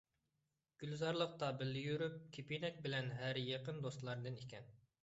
گۈلزارلىقتا بىللە يۈرۇپ كىپىنەك بىلەن ھەرە يېقىن دوستلاردىن ئىدىكەن .